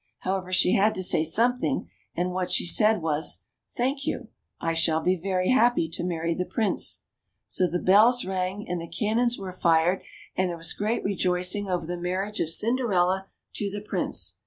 However, she had to say something, and what she said was :" Thank you ; I shall be very happy to marry the Prince." So the bells rang, and the cannons were fired, and CINDERELLA UP TO DATE. 33 there was great rejoicing over the marriage of Cinderella to the Prince.